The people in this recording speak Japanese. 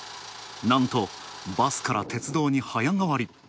なんと、バスから鉄道に早変わり。